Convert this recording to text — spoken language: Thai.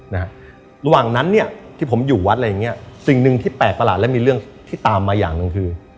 นะฮะระหว่างนั้นเนี่ยที่ผมอยู่วัดอะไรอย่างเงี้ยสิ่งหนึ่งที่แปลกประหลาดและมีเรื่องที่ตามมาอย่างหนึ่งคือ